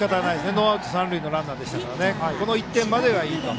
ノーアウト三塁のランナーでしたからこの１点まではいいと。